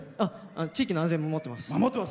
地域の安全を守ってます。